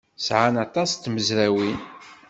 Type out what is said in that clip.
Sɛan aṭas n tmezrawin.